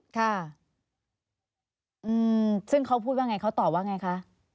ค่ะอืมซึ่งเขาพูดว่าไงเขาตอบว่าไงคะ